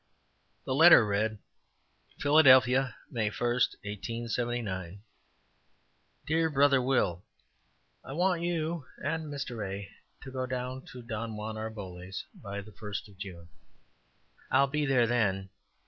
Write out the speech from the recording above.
The letter read: "Philadelphia, May 1, 1879. "DEAR BROTHER WILL: I want you and Mr. A. to go down to Don Juan Arboles's by the first of June. I will be there then.